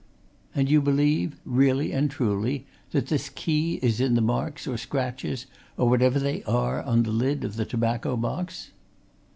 "And you believe, really and truly, that this key is in the marks or scratches or whatever they are on the lid of the tobacco box?"